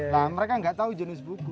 nah mereka nggak tahu jenis buku